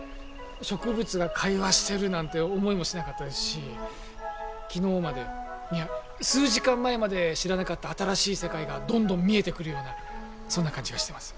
植物が会話してるなんて思いもしなかったですし昨日までいや数時間前まで知らなかった新しい世界がどんどん見えてくるようなそんな感じがしてます。